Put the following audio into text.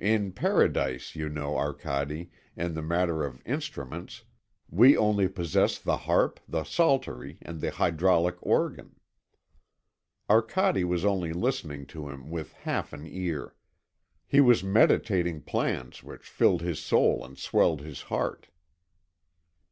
In Paradise, you know, Arcade, in the matter of instruments, we only possess the harp, the psaltery, and the hydraulic organ." Arcade was only listening to him with half an ear. He was meditating plans which filled his soul and swelled his heart.